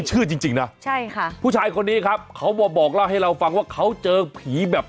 จริงจริงนะใช่ค่ะผู้ชายคนนี้ครับเขามาบอกเล่าให้เราฟังว่าเขาเจอผีแบบ